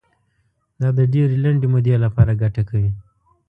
دا د ډېرې لنډې مودې لپاره ګټه کوي.